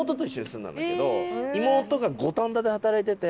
妹が五反田で働いてて。